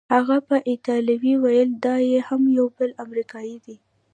هغه په ایټالوي وویل: دا یې هم یو بل امریکايي دی.